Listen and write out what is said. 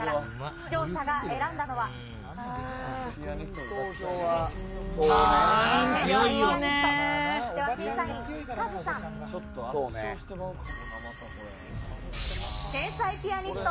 視聴者が選んだのは、天才ピアニスト。